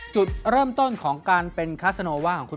จุดเริ่มต้นของการเป็นคัสโนว่าของคุณ